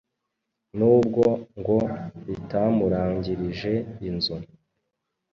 nubwo ngo ritamurangirije inzu